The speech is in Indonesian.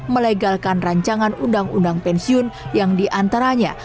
melegalkan rancangan undang undang pensiun yang diantaranya